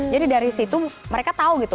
jadi dari situ mereka tahu gitu